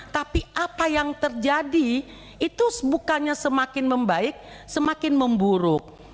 tapi apa yang terjadi itu bukannya semakin membaik semakin memburuk